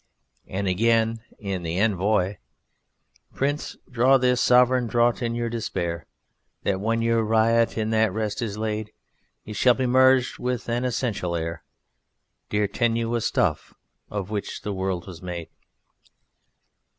And again in the Envoi: Prince, draw this sovereign draught in your despair, That when your riot in that rest is laid, You shall be merged with an Essential Air: Dear, tenuous stuff, of which the world was made!